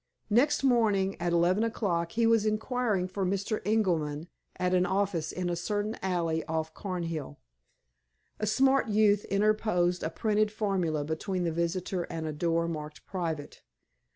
Next morning, at eleven o'clock, he was inquiring for Mr. Ingerman at an office in a certain alley off Cornhill. A smart youth interposed a printed formula between the visitor and a door marked "Private."